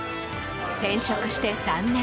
転職して３年。